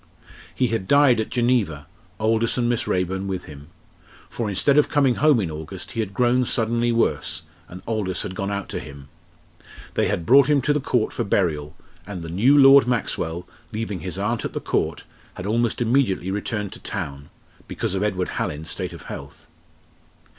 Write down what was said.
He had died at Geneva, Aldous and Miss Raeburn with him. For instead of coming home in August, he had grown suddenly worse, and Aldous had gone out to him. They had brought him to the Court for burial, and the new Lord Maxwell, leaving his aunt at the Court, had almost immediately returned to town, because of Edward Hallin's state of health.